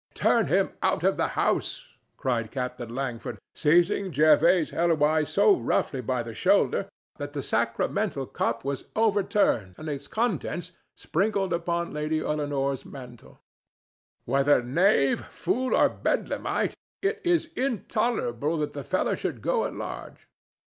"Turn him out of the house!" cried Captain Langford, seizing Jervase Helwyse so roughly by the shoulder that the sacramental cup was overturned and its contents sprinkled upon Lady Eleanore's mantle. "Whether knave, fool or Bedlamite, it is intolerable that the fellow should go at large."